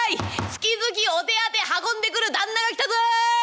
月々お手当運んでくる旦那が来たぞい！